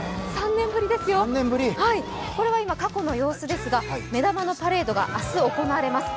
３年ぶりですよ、これは今、過去の様子ですが、目玉のパレードが明日、行われます。